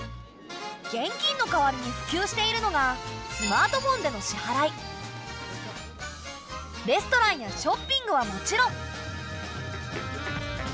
現金のかわりにふきゅうしているのがレストランやショッピングはもちろん。